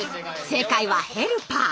正解は「ヘルパー」！